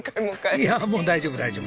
いやあもう大丈夫大丈夫。